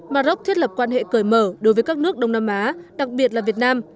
maroc thiết lập quan hệ cởi mở đối với các nước đông nam á đặc biệt là việt nam